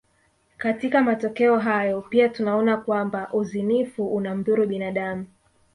Katika matokeo hayo pia tunaona kwamba uzinifu unamdhuru binadamu